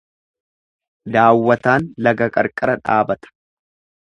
Daawwataan laga qarqara dhaabata.